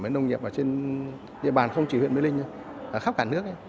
và nông nghiệp ở trên địa bàn không chỉ huyện bế linh ở khắp cả nước